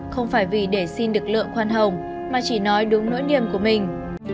không phải vì để xin được lượng khoan hồng mà chỉ nói đúng nỗi niềm của mình